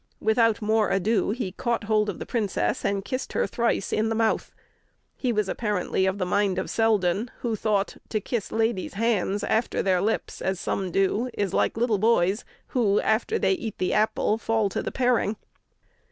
Without more ado he caught hold of the princess and kissed her thrice in the mouth. He was apparently of the mind of Selden, who thought "to kiss ladies' hands after their lips, as some do, is like little boys who, after they eat the apple, fall to the paring."